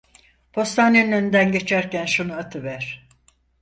Postanenin önünden geçerken şunu atıver!